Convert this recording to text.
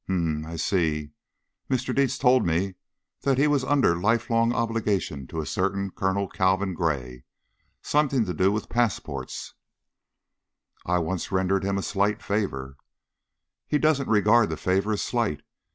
"Um m! I see. Mr. Dietz told me that he was under lifelong obligation to a certain Colonel Calvin Gray. Something to do with passports " "I once rendered him a slight favor." "He doesn't regard the favor as 'slight.'